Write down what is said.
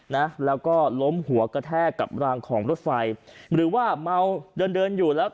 นะแล้วก็ล้มหัวกระแทกกับรางของรถไฟหรือว่าเมาเดินเดินอยู่แล้ว